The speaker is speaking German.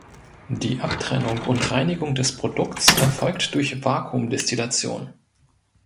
Die Abtrennung und Reinigung des Produkts erfolgt durch Vakuumdestillation.